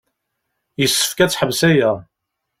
Yessefk ad teḥbes aya.